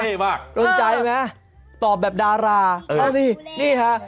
นี่ดูเนี่ยตอบแบบดารานี่ค่ะ